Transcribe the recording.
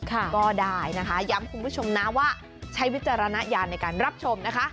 ก็ได้นะคะย้ำคุณผู้ชมนะว่าใช้วิจารณญาณในการรับชมนะคะ